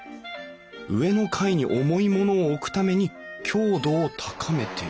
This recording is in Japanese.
上の階に重い物を置くために強度を高めている。